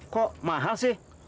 kok mahal sih